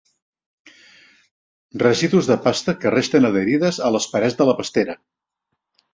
Residus de pasta que resten adherides a les parets de la pastera.